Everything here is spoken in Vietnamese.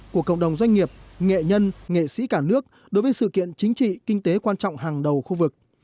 của cộng đồng doanh nghiệp nghệ nhân nghệ sĩ cả nước đối với sự kiện chính trị kinh tế quan trọng hàng đầu khu vực